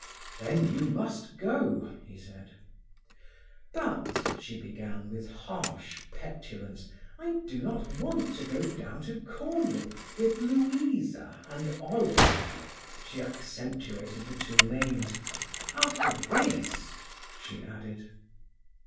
"Then you must go," he said. "But," she began, with harsh petulance, "I do not want to go down to Cornwall with Louisa and Olive"—she accentuated the two names—"after this," she added.